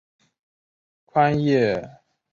宽叶杜香为杜鹃花科杜香属下的一个变种。